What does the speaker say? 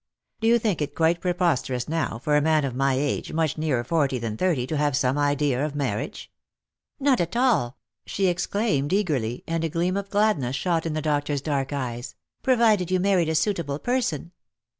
" Do you think it quite preposterous, now, for a man of my age, much nearer forty than thirty, to have some idea of marriage ?"" Not at all," she exclaimed eagerly, and a gleam of gladness shot into the doctor's dark eyes, "provided you married a suitable person."